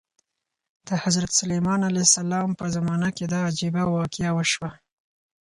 د حضرت سلیمان علیه السلام په زمانه کې دا عجیبه واقعه وشوه.